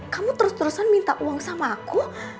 kamu terus terusan minta uang sama aku